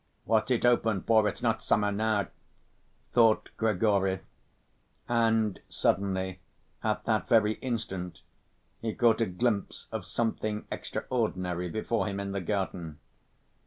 "What's it open for? It's not summer now," thought Grigory, and suddenly, at that very instant he caught a glimpse of something extraordinary before him in the garden.